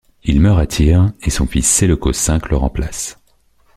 Il meurt à Tyr et son fils Séleucos V le remplace.